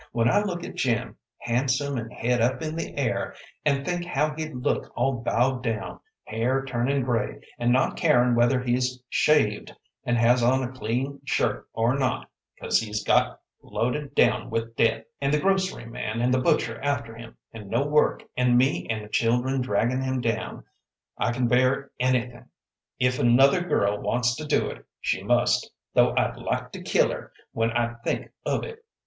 When I look at Jim, handsome and head up in the air, and think how he'd look all bowed down, hair turnin' gray, and not carin' whether he's shaved and has on a clean shirt or not, 'cause he's got loaded down with debt, and the grocery man and the butcher after him, and no work, and me and the children draggin' him down, I can bear anything. If another girl wants to do it, she must, though I'd like to kill her when I think of it.